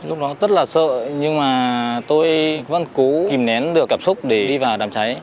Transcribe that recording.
lúc đó rất là sợ nhưng mà tôi vẫn cố kìm nén được cảm xúc để đi vào đàm cháy